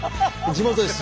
地元です。